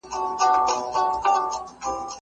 د خونې تودوخه باید کنټرول کړل شي.